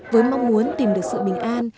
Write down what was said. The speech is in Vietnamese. với mong muốn tìm được sự bình an